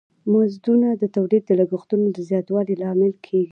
مزدونه د تولید د لګښتونو د زیاتوالی لامل کیږی.